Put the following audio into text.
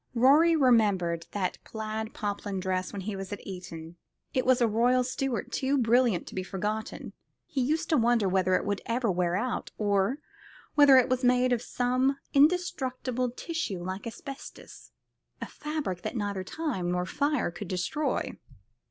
Rorie remembered that plaid poplin dress when he was at Eton. It was a royal Stuart, too brilliant to be forgotten. He used to wonder whether it would ever wear out, or whether it was not made of some indestructible tissue, like asbestos a fabric that neither time nor fire could destroy.